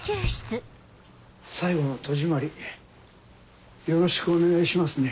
最後の戸締まりよろしくお願いしますね。